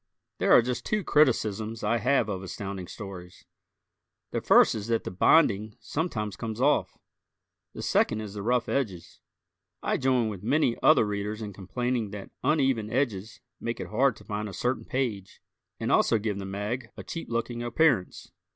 There are just two criticisms I have of Astounding Stories. The first is that the binding sometimes comes off; the second is the rough edges. I join with many other Readers in complaining that uneven edges make it hard to find a certain page and also give the mag a cheap looking appearance.